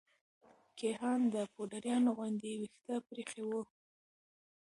کيهان د پوډريانو غوندې ويښته پريخي وه.